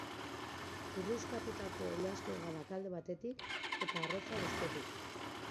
Kurruxkatutako oilasko hegalak alde batetik, eta arroza bestetik.